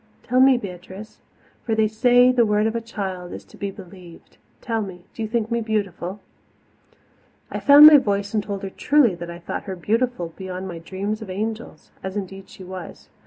"Tell me, little Beatrice for they say the word of a child is to be believed tell me, do you think me beautiful?" I found my voice and told her truly that I thought her beautiful beyond my dreams of angels as indeed she was.